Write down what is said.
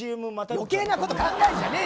余計なこと考えるんじゃねえよ